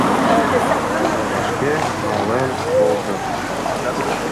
Но вашке мален колтыш.